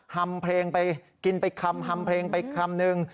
ำเพลงไปกินไปคำฮำเพลงไปคำนึง